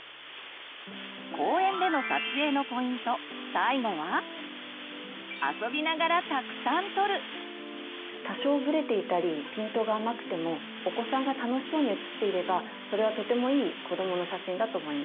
最後は多少ブレていたりピントが甘くてもお子さんが楽しそうに写っていればそれはとてもいい子どもの写真だと思います。